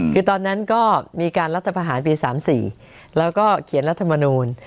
คือตอนนั้นก็มีการรัฐประหารปี๓๔แล้วก็เขียนรัฐมนูล